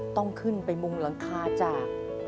ต้องขึ้นไปมุงหลังคาจาก